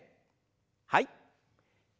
はい。